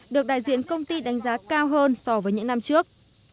được đại diện công ty đánh giá cao hơn so với những năm trước